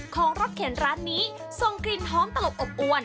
ของรถเข็นร้านนี้ส่งกลิ่นหอมตลบอบอวน